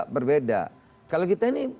berbeda kalau kita ini